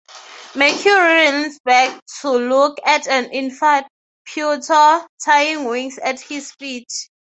Mercury leans back to look at an infant "putto" tying wings at his feet.